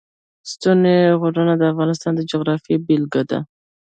ستوني غرونه د افغانستان د جغرافیې بېلګه ده.